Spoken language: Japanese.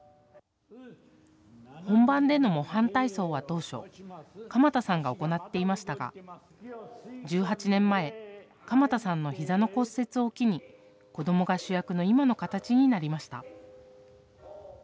本番での模範体操は当初鎌田さんが行っていましたが１８年前鎌田さんのひざの骨折を機に子どもが主役の今の形になりました。